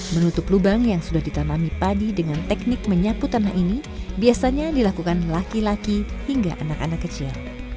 menutup lubang yang sudah ditanami padi dengan teknik menyapu tanah ini biasanya dilakukan laki laki hingga anak anak kecil